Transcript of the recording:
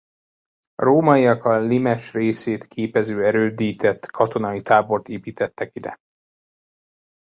A rómaiak a limes részét képező erődített katonai tábort építettek ide.